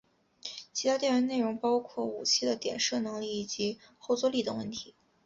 其他调研内容包括武器的点射能力以及后座力等问题。